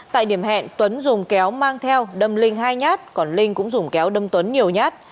tại điểm hẹn tuấn dùng kéo mang theo đâm linh hai nhát còn linh cũng dùng kéo đâm tuấn nhiều nhát